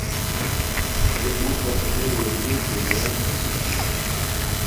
تے بوت پسنݵ ریڈیوں پرگرام کسک چھا۔